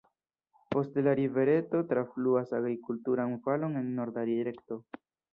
Poste la rivereto trafluas agrikulturan valon en norda direkto.